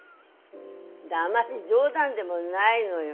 なまじ冗談でもないのよ